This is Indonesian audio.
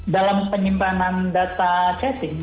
dalam penyimpanan data chatting